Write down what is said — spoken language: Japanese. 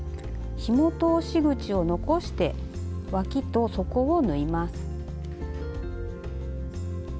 ひも通し口を残してわきと底を縫います。